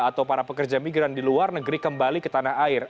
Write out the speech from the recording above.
atau para pekerja migran di luar negeri kembali ke tanah air